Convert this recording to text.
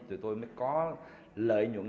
tụi tôi mới có lợi nhuận